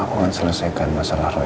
aku akan selesaikan masalah roy